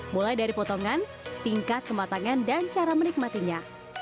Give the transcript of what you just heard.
mulai dari potongan tingkat kematangan dan cara menikmatinya